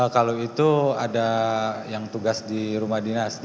kalau itu ada yang tugas di rumah dinas